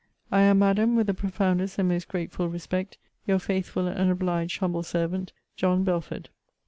I am, Madam, with the profoundest and most grateful respect, Your faithful and obliged humble servant, JOHN BELFORD.